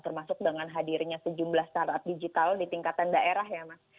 termasuk dengan hadirnya sejumlah startup digital di tingkatan daerah ya mas